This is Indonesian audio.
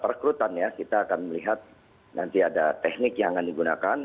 perekrutan ya kita akan melihat nanti ada teknik yang akan digunakan